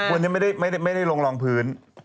วันนี้ไม่ได้ลงรองพื้นไปทำอะไรมา